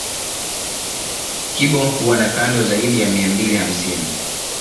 Kibo huwa na kando zaidi ya mia mbili hamsini